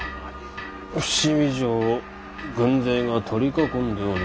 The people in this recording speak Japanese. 伏見城を軍勢が取り囲んでおります。